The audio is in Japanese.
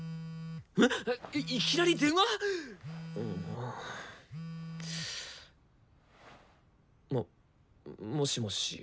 いきなり電話！？ももしもし。